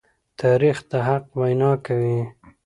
تاریخ د حق وینا کوي.